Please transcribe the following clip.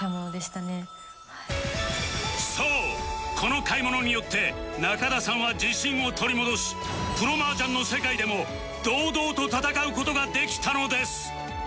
そうこの買い物によって中田さんは自信を取り戻しプロ麻雀の世界でも堂々と戦う事ができたのです